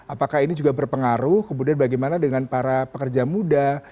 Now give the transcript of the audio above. apakah ini juga berpengaruh kemudian bagaimana dengan para pekerja muda